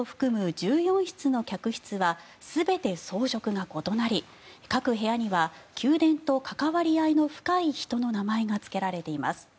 １４室の客室は全て装飾が異なり各部屋には宮殿と関わり合いの深い人の名前がつけられています。